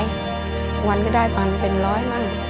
ทุกวันก็ได้เป็นร้อยบ้าง